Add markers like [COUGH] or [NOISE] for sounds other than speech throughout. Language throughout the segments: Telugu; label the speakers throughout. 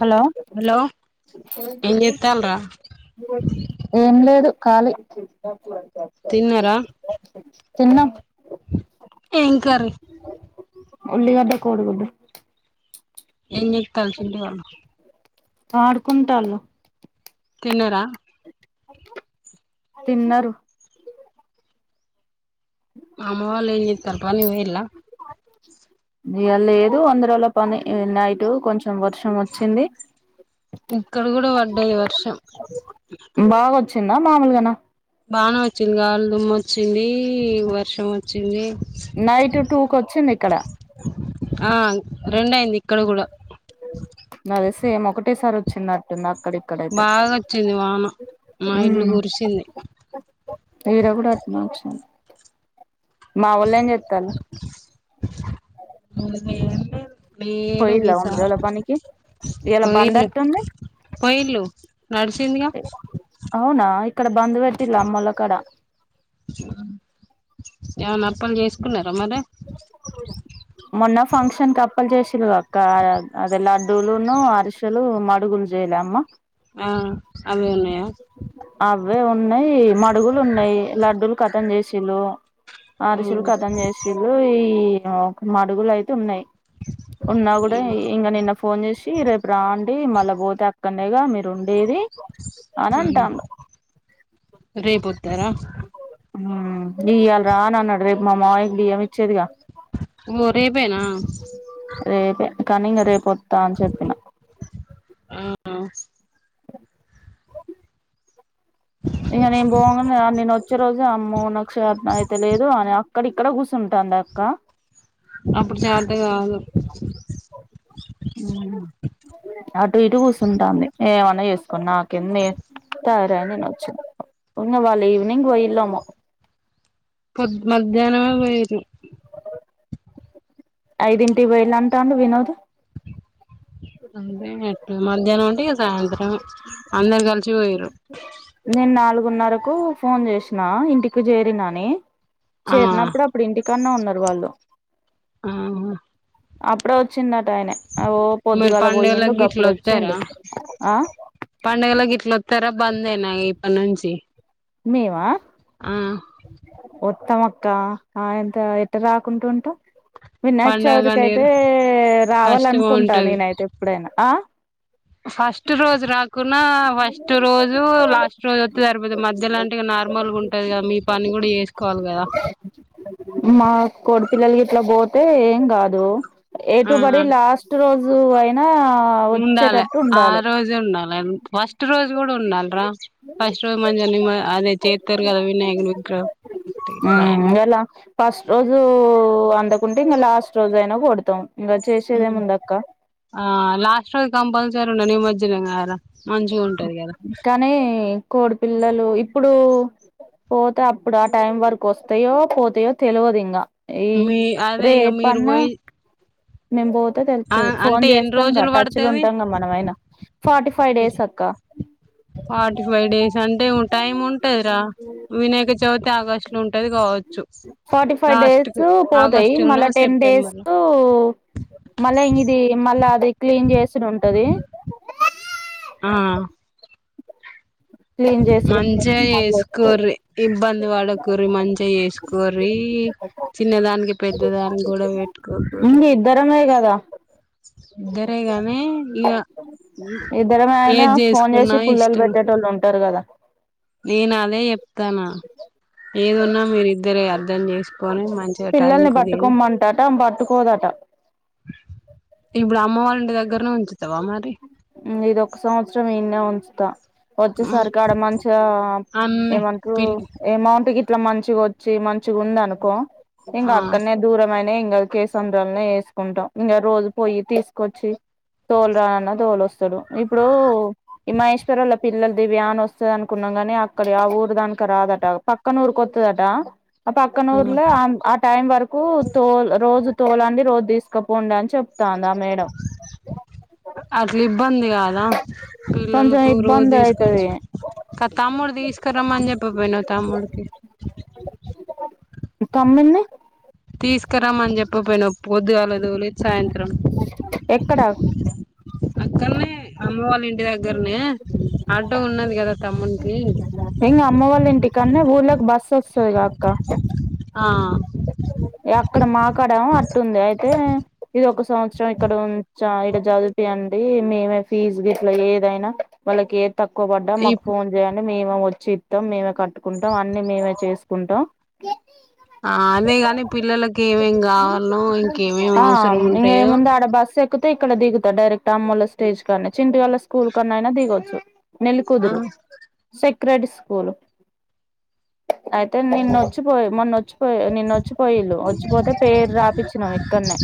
Speaker 1: హలో
Speaker 2: హలో
Speaker 1: ఏం లేదు ఖాలీ
Speaker 2: తిన్నారా
Speaker 1: తిన్నాం
Speaker 2: ఏం కర్రీ
Speaker 1: ఉల్లిగడ్డ కోడి గుడ్డు
Speaker 2: ఏం చేత్తల్లు చింటుగా
Speaker 1: అడుకుంటాళ్ళు
Speaker 2: తిన్నరా
Speaker 1: తిన్నరు
Speaker 2: మామవళ్ళ ఏం చేత్తల్లు పనికి పోయిల్ల
Speaker 1: ఇయాళ లేదు వంద రోజుల పని నైట్ కొంచెం వర్షం వచ్చింది
Speaker 2: ఇక్కడ కూడ పడ్డది వర్షం
Speaker 1: బాగొచ్చిందా మామూలుగాన
Speaker 2: బానే వచ్చింది గాలి దుమ్మ వచ్చింది వర్షం వ చ్చింది
Speaker 1: నైట్ టూ కి వచ్చింది ఇక్కడ
Speaker 2: ఆ రెండు అయింది ఇక్కడ కూడా
Speaker 1: నాది సేం ఒకటేసారి వచ్చిన్న అక్కడ ఇక్కడ అయితే
Speaker 2: బాగా వచ్చింది వాన మా ఇల్లు కురిసింది
Speaker 1: హు ఈడ కూడా అట్లనే వచ్చింది మా వాళ్ళు ఏం చేతరు
Speaker 2: అ
Speaker 1: పోయిల్లా వంద రోజుల పనికి
Speaker 2: [UNINTELLIGIBLE]
Speaker 1: ఇయాల బంద్
Speaker 2: పోయిలు
Speaker 1: అట్టుంది
Speaker 2: పోయిల్లు నడిసిందిగా
Speaker 1: అవునా ఇక్కడ బంద్ పెట్టిలు అమ్మోలా కాడ
Speaker 2: ఎమనప్పలు చేసుకున్నారా మరి
Speaker 1: మొన్నా ఫంక్క్షన్ కి అప్పల్ చేసిలు క అదే లడ్డులు అరిసెలు మడుగులు జయలే అమ్మ
Speaker 2: ఆ అవే ఉన్నాయా
Speaker 1: అవే ఉన్నాయి మడుగులు ఉన్నాయి లడ్డులు కతం చేసిలు అరిసలు కతం
Speaker 2: మ్మ్
Speaker 1: చేసి లు ఈ ఒక మడుగులు అయితే ఉన్నాయి ఉన్నా కూడా ఇంకా నిన్న ఫోన్ చేసి రేపు రాండి మళ్ళా పోతే అక్కనేగా మీరు ఉండేది అని
Speaker 2: అ
Speaker 1: అంటాండు
Speaker 2: రేపోత్తరా
Speaker 1: ఆ ఇయళ రానన్నాడు రేపు మా మావయ్యకి బియ్యం ఇచ్చేడ్గా
Speaker 2: ఓ రేపేనా
Speaker 1: రేపే కానీ ఇంగ రేపొత్తా అని చెప్పిన
Speaker 2: ఆ [INAUDIBLE]
Speaker 1: ఇంగ నేన్ పోంగ మల్ల నేనొచ్చే రోజు అమ్మో నాక్ శాతన అయితలేదు అని అక్కడిక్కడ కూసుంటంది అక్క
Speaker 2: అప్పుడు చాతా కాదు
Speaker 1: ఉ అటు ఇటు కూర్చుంటంది ఏమన్నా చేసుకొనీ నాకేంది నే తయారయి నేనొచ్చిన ఇంగ వాళ్ళు ఈవినింగ్ పొయిళ్ళెమో
Speaker 2: పొద్ మధ్యాహ్నమే పోయిరు
Speaker 1: ఐదింటికి పొయిలు అంటండు వినోద్
Speaker 2: అంటే అట్టు మధ్యాహ్నం అంటే సాయంత్రమే అందరు కలిసి పొయిరు
Speaker 1: నేను నాలుగున్నరకు ఫోన్ చేసిన ఇంటికి చేరినని
Speaker 2: ఆ
Speaker 1: చేరినప్పుడు అప్ ప్పుడు ఇంటికన్నే ఉన్నారు వాళ్ళు
Speaker 2: ఆహ
Speaker 1: అప్పుడే వచ్చిందట ఆయన ఓ
Speaker 2: మరి
Speaker 1: పొద్దుగల పోయిండు
Speaker 2: పండుగలకు గిట్ల
Speaker 1: గప్పుడొచ్చిండు ఆ
Speaker 2: పండుగలక్ గిట్ల వస్తారా బందేనా ఇప్పటి నుంచి
Speaker 1: మేమా
Speaker 2: ఆ
Speaker 1: వొత్తం అక్క ఆ ఎంత ఎట్ట రాకుంటుంటం వినాయక
Speaker 2: పండుగ
Speaker 1: చవితికి అయితే
Speaker 2: నీరు కష్టం
Speaker 1: రావాలనుకుంటా
Speaker 2: ఉంటది
Speaker 1: నేనైతే ఎప్పుడైనా ఆ
Speaker 2: ఫస్ట్ రోజు రాక్ కున్నా ఫస్ట్ రోజు లాస్ట్ రోజు వస్తే సరిపోతది మధ్యలంటే ఇగ నార్మల్గా ఉంటది కదా మీ పని కూడా చేస్ కోవాలి కదా
Speaker 1: మా కోడిపిల్లలకి గిట్లా పోతే ఏం కాదు ఎటు బడి
Speaker 2: ఆ
Speaker 1: లాస్ట్ రోజు అయినా
Speaker 2: ఉండాలే
Speaker 1: వచ్చేటట్టు
Speaker 2: ఆ
Speaker 1: ఉండాలి
Speaker 2: రోజు ఉండాలే ఫస్ట్ రోజు కూడా ఉండాలిరా ఫస్ట్ రోజు మంచిగా నిమ అదే చేత్తరు గదా వినాయకుని విగ్రహం అంటే నయం
Speaker 1: మ్మ్ ఎలా ఫస్ట్ రోజు అందకుంటే ఇంగ లాస్ట్ రోజు అయినా కొడతాం ఇంగ చేసేదేముందక్క
Speaker 2: ఆ లాస్ట్ రోజు కంపల్సరీ ఉండు నిమజ్జనం కదరా మంచిగుంటది కదా
Speaker 1: కానీ కోడి పిల్లలు ఇప్పుడు పోతే అప్పుడు ఆ టైం వరకు వస్తయో పోతయో తెలువదు ఇంగ ఈ
Speaker 2: మీ అదే ఇక మీరు
Speaker 1: రేపన్న
Speaker 2: పోయి
Speaker 1: మేమ్ పోతే
Speaker 2: ఆ
Speaker 1: తెలుత్తది ఫోన్
Speaker 2: అంటే ఎన్ని
Speaker 1: చేస్తాంగా
Speaker 2: రోజులు
Speaker 1: టచ్ లో
Speaker 2: పడుతది
Speaker 1: ఉంటంగా మనమైనా ఫార్టీ ఫైవ్ డేస్ అక్క
Speaker 2: ఫార్టీ ఫైవ్ డేస్ అంటే ఉన్ టైం ఉంటదిరా వినాయకచవితి ఆగస్టులో ఉంటది కావచ్చు
Speaker 1: ఫార్టీ ఫైవ్
Speaker 2: లాస్ట్
Speaker 1: డేస్
Speaker 2: కు ఆగస్టులోను సెప్టెంబర్ లో
Speaker 1: ఓ మళ్ళా ఇది మళ్ళా అది క్లీన్ చేసుడు ఉంటది
Speaker 2: ఆ
Speaker 1: క్లీన్ చేసుడు
Speaker 2: మంచిగా
Speaker 1: మళ్ళీ వస్తది
Speaker 2: చేసుకోర్రి ఇబ్బంది పడకుర్రి మంచిగా చేసుకోర్రి చిన్నదానికి పెద్దదానికి గొడవపెట్ కొకుర్రి
Speaker 1: ఇంగ ఇద్దరమే కదా
Speaker 2: ఇద్దరేగాని ఇగ
Speaker 1: ఇద్దరమే అయినా
Speaker 2: ఏది
Speaker 1: ఫోన్
Speaker 2: చేసుకున్నా
Speaker 1: చేసి పుల్లలు పెట్టేటోళ్ళు ఉంటారు కదా
Speaker 2: నేనదే చెప్తానా ఏదున్నా మీరిద్దరే అర్ధం చేసుకొని మంచిగ్
Speaker 1: పిల్లల్ని పట్టుకోమ్మంటట ఆమ్ పట్టుకోదట
Speaker 2: ఇప్పుడు అమ్మ వాళ్ళంటి దగ్గర్నే ఉంచుతావా మరి
Speaker 1: ఉమ్ ఇదొక్క సంవత్సరం ఈన్నే ఉంచుతా వచ్చేసరికి ఆడ మంచిగా
Speaker 2: అన్ని
Speaker 1: ఏమంట్రూ
Speaker 2: పిల్లి
Speaker 1: ఏమౌంట్ కి కే మంచిగా వచ్చి మంచిగా ఉంది అనుకో ఇంగా
Speaker 2: ఆ
Speaker 1: అక్కన్నే దూరమైన ఇంగా కేసంధల్నే వేసుకుంటా ఇంగా రోజు పోయితీసుకొచ్చి తోలురాన్న తోలువస్తడు ఇప్పుడు ఈ మహేశ్వర్ వాళ్ళ పిల్లలు దివ్యా అని వస్తది అనుకున్నాం గాని అక్కడి యాఊరుదానికి రాదట పక్ కనూర్ కొత్తుదటా ఆ పక్కన ఊర్లో అం ఆ టైం వరకు తోల్ రోజు తోలండి రోజు తీసుకపోండి అని చెప్ తాందా మేడం
Speaker 2: అట్లు ఇబ్బంది కాదా
Speaker 1: కొంచెం
Speaker 2: పిల్లలకు రోజు
Speaker 1: ఇబ్బంది
Speaker 2: తీసుకొచ్చి
Speaker 1: అయితది
Speaker 2: కా తమ్ముడు తీసుకురమ్మని చెప్పిపోయినావ్ తమ్ముడికి
Speaker 1: తమ్మున్నీ
Speaker 2: తీసుకురామ్మని చెప్పపోయినవ్ పొద్దుగాలతోలి సాయంత్రం
Speaker 1: ఎక్కడ
Speaker 2: అక్కన్నే అమ్మ వాళ్ళ ఇంటి దగ్గరనే ఆటో ఉన్నది కదా తమ్మునికి
Speaker 1: ఇంగా అమ్మవాళ్ళ ఇంటికాన్నే ఊర్లోకి బస్స్ వస్తదిగాక్క
Speaker 2: ఆ
Speaker 1: అక్కడ మాకాడ అట్లుంది అయితే ఇది ఒక్క సంవత్సరం ఇక్కడ ఉంచ ఈడ జదివిపియండి మేమే ఫీజు గిట్లా ఏదైనా వాళ్ళకే తక్కువ పడ్డా మాకు
Speaker 2: ఇప్
Speaker 1: ఫోన్ చేయండి మేమే వచ్చి ఇత్తాం మేమే కట్టుకుంటాం అన్ని మేమే చేసుకుంటాం
Speaker 2: ఆ అదేగాని పిల్లలకి ఏమేం కావాల్నో ఇంకే ఏమేం అవసరం ఉంటాయో
Speaker 1: [UNINTELLIGIBLE] బస్స్ ఎక్ కుతే ఇక్కడ దిగుతారు డైరెక్ట్ అమ్మోల్ల స్టేజ్ కాన్నే చింటు వాళ్ళ స్కూల్ కాన్నే అయినా దిగొచ్చు
Speaker 2: ఆ
Speaker 1: నెల్లికుదురు సెక్రెడ్ స్కూలు అయితే నిన్నొచ్చిపోయి మొన్న వచ్చిపోయి నిన్న వ వచ్చిపోయిళ్లు వచ్చిపోతే పేరు రాపిచ్చినాం ఇక్కనే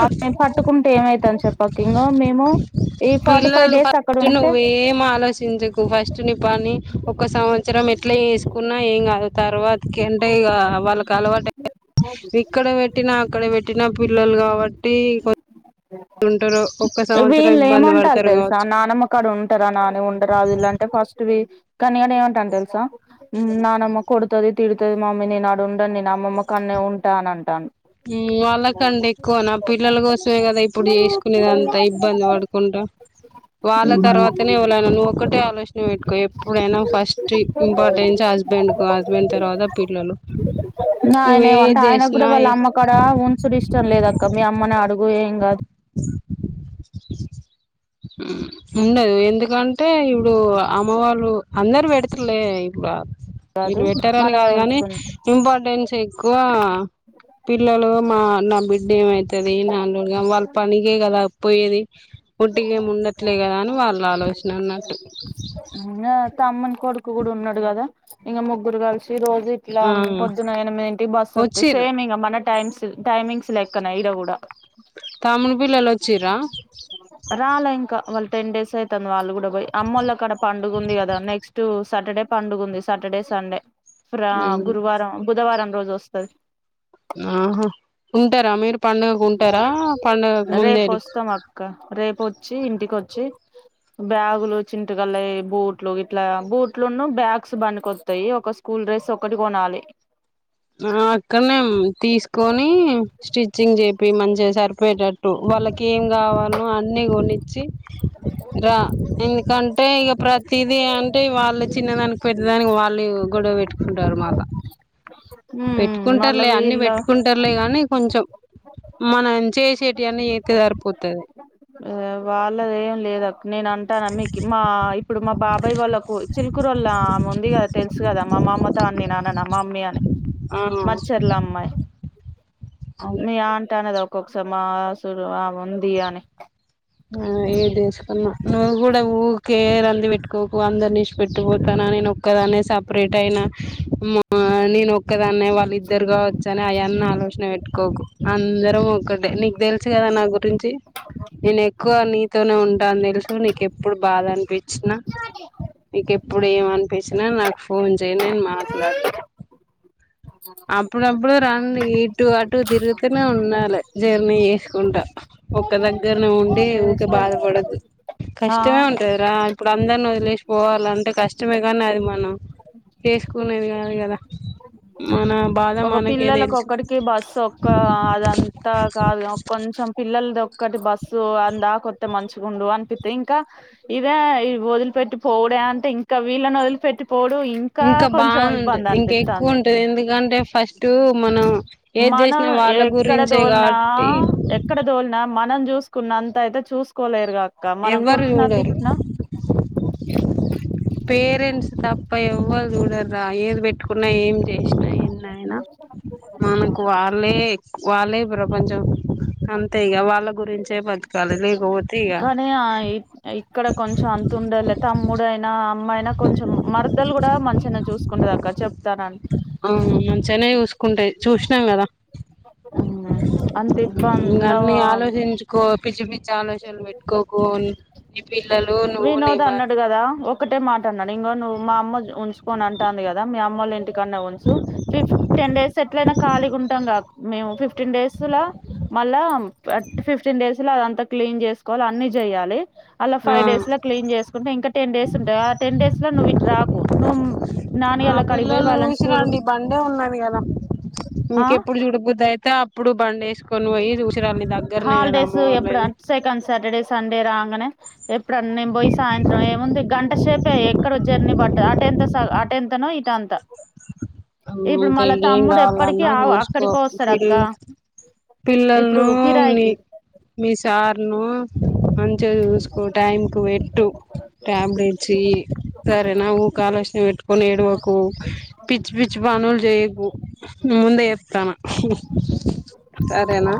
Speaker 1: ఆ మేము పట్టుకుంటే ఏమైతని చెప్పక ఇంగో మేము ఈ ఫార్టీ ఫైవ్
Speaker 2: పిల్లలు
Speaker 1: డేస్ అక్కడ
Speaker 2: ఫస్ట్
Speaker 1: ఉంటే
Speaker 2: నువ్వేం ఆలోచించకు ఫస్ట్ స్ట్ ని పని ఒక సంవత్సరం ఎట్ల చేసుకున్నా ఏం కాదు తర్వా కంటే ఇగ వాళ్ళకి అలవాటే ఇక్కడ పెట్టినా అక్కడ పెట్టినా పిల్లలు కాబట్టి ఉంటరు
Speaker 1: వీళ్ళు ఏమంటారు తెలుసా నానమ్మ కాడ ఉంటరా నాని ఉండరా వీలాంటే ఫస్ట్ ట్వి కనీ నేను ఏమంటాను తెల్సా నానమ్మ కొడుతుది తిడ్ అ మమ్మీ నేను ఆడు ఉండను నేను అమమ్మ కానే ఉంటా అని అంటా
Speaker 2: వాళ్ళకంటె ఎక్కువ నా పిల్లల కోసమే కదా ఇప్పుడు చేసుకునేది అంతా ఇబ్బంది పడుకుంటా వాళ్ళ తర్వాతనే ఎవ్వలైనా నువ్వు ఒకటే ఆలోచన పెట్టుకో ఎప్పుడైనా ఫస్ట్ ఇంపార్టెన్స్ హస్ హస్బెండ్ కు హస్బెండ్ తర్వాత పిల్లలు నువ్వేది చేసినా
Speaker 1: అక్కడ ఉంచూడు ఇష్టం లేదక్క మీ అమ్మనే అడుగు ఏం కాదు
Speaker 2: ఉ ఉండదు ఎందుకంటే ఇప్పుడు అమ్మ వాళ్ళు అందరు పెడతలే ఇప్పుడు
Speaker 1: కాదు
Speaker 2: వీళ్ళు పెట్టరని
Speaker 1: మనమే
Speaker 2: కాదు గాని
Speaker 1: ఉంచుకుందాం
Speaker 2: ఇంపార్టెన్స్ ఎక్కువ పిల్లలు మా నా బిడ్డ ఏమైతది నా వాళ్ళు పనికే కదా పోయేది వట్టిగెం ఉండట్లే కదా అని వాళ్ళు ఆలోచన అన్నట్టు
Speaker 1: ఇంకా తమ్ముని కొడుకు కూడా ఉన్నాడు కదా ఇంకా ముగ్గురు కలిసి రోజు ఇట్లా
Speaker 2: ఆ
Speaker 1: పొద్దున ఎనిమిదింటికి బస్సు వత్తయి
Speaker 2: వచ్చిర్రు
Speaker 1: సేమ్ ఇంగ మన టైమ్స్ టైమింగ్స్ లెక్కన ఇడ కూడా
Speaker 2: తమ్ముని పిల్లలోచ్చీరా
Speaker 1: రాలా ఇంకా వాళ్ళు టెన్ డేస్ అయితాంది వాళ్ళు కూడా పోయి అమ్మోల్ల కాడ పండుగ ఉంది కదా నెక్స్ట్ టు సాటర్డే పండుగ ఉంది సాటర్డే సండే ఫ్ర గురువారం బుధవారం రోజు వస్తది
Speaker 2: ఆహా ఉంటారా మీరు పండుగకు ఉంటారా పండుగకు ముందే
Speaker 1: ఇంక రేపొచ్చి ఇంటికొచ్చి బ్యాగులు చింటుగల్లయి బూట్లు ఇట్లా బూట్లున్న బ్యాగ్స్ బండికొస్తాయి ఒక స్కూల్ డ్రస్ ఒక్కటి కొనాలి
Speaker 2: ఆ అక్కనే తీసుకొని స్టిచ్చింగ్ చెపి మంచిగా సరిపోయేటట్టు వాళ్ళకి ఏం కావాలో అన్ని కొనిచ్చి రా ఇంక అంటే ఇగ ప్రతిదీ అంటే వాళ్ళు చిన్నదానికి పెద్ద దానికి వాళ్ళు గొడవ పెట్టుకుంటారు మాళ్ళ
Speaker 1: ఉమ్ మళ్ళ
Speaker 2: పెట్టుకుంటారులే అన్ని
Speaker 1: వీళ్ళ
Speaker 2: పెట్టుకుం రలే గాని కొంచెం మనం చేసేటివి అన్ని చెత్తే సరిపోతది
Speaker 1: ఆ వాళ్ళదెం లేదక్ నేను అంటాన మీకి మా ఇప్పుడు మా బాబాయ్ వాళ్ళలకు చిలుకూరుళ్ల ఆమె ఉంది కదా తెలుసు కదా మా మామతో అన్ని నేన్నన్న మా మమ్మీ అని
Speaker 2: ఆ
Speaker 1: మచ్చర్ల అమ్మాయి
Speaker 2: అదే
Speaker 1: మీ అంటానే ద ఒక్కసారి మాసులు ఆ ఉంది అని
Speaker 2: ఆ ఏదేసుకున్నా నువ్వు కూడా ఊకే రంధి పెట్టుకోకు అందరిని ఇడిచిపెట్టు పోతాన నేను ఒక్కదానే స పరేట్ అయిన నేను ఒక్కదాన్నే వాళ్ళిద్దరుగా చ్చని అయన్ని ఆలోచన పెట్టుకోకు అందరం ఒక్కటే నీకు తెలుసు కదా నా గురించి నేనెక్కువ నీతోనే ఉంటా నిదెల్సు నీకేప్పుడు బాదన్పిచ్చిన నికెప్పుడు ఏమన్పిచినా నాకు ఫోన్ చేయ్ నేను మాట్లాడత అప్పుడఅ ఇప్పుడు రండి ఇటు అటు దిరుగుతూనే ఉండాలి జర్నీ ఎస్కుంటా ఒక్క దగ్గర్నే ఉంటే ఊకే
Speaker 1: చేస్తే
Speaker 2: బాదపడొద్దు కష్టమే
Speaker 1: ఆ
Speaker 2: ఉంటది అ ఇప్పుడు అందర్ని వొదిలేసి పోవాల అంటే కష్టమే గాని అదిమనం చేస్కునేది కాదు కదా మనం
Speaker 1: ఒక పిల్లలకి ఒక్కడికి బస్సోప్ కాదు అదంతా కాదు కొంచెం పిల్లల్ది ఒక్కటి బస్సు అన్దాకొస్తే మంచిగుండు అన్పి తే ఇంకా ఇదే వదిలిపెట్టి పోవుడే అంటే ఇంక వీళ్ళని వదిలిపెట్టి పోవుడు ఇ
Speaker 2: ఇంకా బాదుంటది ఇంకెక్కువ ఉంటది ఎందుకంటే ఫస్ట్ మనం ఏది
Speaker 1: మన
Speaker 2: చేసినా వాళ్ళ
Speaker 1: ఎక్కడ
Speaker 2: గురించే
Speaker 1: దోల్నా
Speaker 2: కాబట్టి
Speaker 1: ఎక్కడ దోల్నా మనం జూసుకున్నంత ఐతే చూస్కోలేరుగా అక్క మనం
Speaker 2: ఎవ్వరు
Speaker 1: కొట్టిన
Speaker 2: చూడరు
Speaker 1: తిట్టిన
Speaker 2: పేరెంట్స్ తప్ప ఎవ్వరు జూడర్ర ఏది పెట్ ముట్కున్నా ఏం చె ఇష్టమెన్నైనా మనకు వాళ్ళే ఎక్కు ప్రపంచం అంతే ఇగ వాళ్ళ గురించే బతకాలి లేక పోతే ఇగ
Speaker 1: ఆయ్ ఇక్కడ కొంచెం అంతుండలే తమ్ముడైనా అన్న అన్నైనా కొంచెం మర్దలు గూడా మంచిగనే చూస్కుంటది అక్క చెప్తానని
Speaker 2: అవును మంచనే చూస్కుంటయ్ చూసినాం కదా
Speaker 1: ఉహు అంత ఇబ్బంగవ
Speaker 2: కో పిచ్చి పిచ్చి ఆలోచనలు బెట్కోకు నీపిల్లలు నువ్వు
Speaker 1: వినోద్
Speaker 2: నిబ
Speaker 1: అన్నాడు కదా ఒ ఒక్కటే మాట అన్నాడు ఇంగ నువ్వు మా అమ్మ ఉంచుకోను అంటాంది కదా మీ అమ్మోళ్ళ ఇంటికాన్నే ఉంచు ఫిఫ్ టెన్ డేస్ ఎట్లైనా ఖాళీగా ఉంటాంగ మేము ఫిఫ్టీన్ డేస్లా మళ్ళా అంటే ఫిఫ్టీన్ డేస్ లో అదంతా క్లీన్ జెస్కోవాలి అన్నిజెయ్యాలి అలా
Speaker 2: ఆ
Speaker 1: ఫైవ్ డేస్ లో క్లీన్ జెసుకుంటే ఇంకా టెన్ డేస్ ఉంటాయ్ ఆ టెన్ డేస్ లో నువ్వు ఇటు రాకు నువ్
Speaker 2: ఆ పిల్లల్ని వూసిరండి బండే ఉన్నది కదా
Speaker 1: ఆ
Speaker 2: మీకెప్పుడు జూడబుద్దైతే అప్ ప్పుడు బండేస్కొనిపోయ్ చూసిర నీదగ్గర్నే కదా అమ్మ
Speaker 1: హాలిడేస్ ఎప్పుడు
Speaker 2: వాళ్ళది
Speaker 1: సెకండ్ సటడే సండే రాంగనే ఎప్పుడన్నా నెబొయ్ సాయంత్రం ఏముంది గంటసెపే ఎక్కడ జర్నీ బట్టదు అటెంత అస్సల్ ఆటెంతనో ఇటు అంత
Speaker 2: అమ్ ఇంక ఇంకేం
Speaker 1: తమ్ముడు ఎప్పటికి
Speaker 2: కావాలన్నా జుస్కో
Speaker 1: అక్కడికో వస్తాడు
Speaker 2: ఇప్పుడు
Speaker 1: అక్క ఇప్పుడు
Speaker 2: పిల్లల్ల్ను మి
Speaker 1: కిరాయికి
Speaker 2: మీసార్నో అం మంచిగా చూస్కో టైంకు పెట్టు టాబ్లెట్ ఛీ సరేన వూకే ఆలోషన పెట్కోని ఎడ్వకు పిచ్చిపిచ్చి పనులు జెయకు ముందేఎప్తన సరేనా